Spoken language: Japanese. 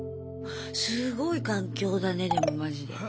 すごい環境だねでもマジで。